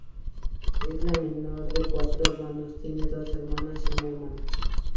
Es la menor de cuatro hermanos, tiene dos hermanos y una hermana.